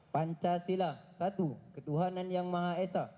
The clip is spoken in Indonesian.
pancasila satu ketuhanan yang maha esa